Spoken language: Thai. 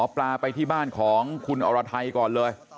ปลาไปที่บ้านของคุณอรไทยก่อนเลย